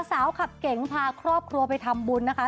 สาวขับเก๋งพาครอบครัวไปทำบุญนะคะ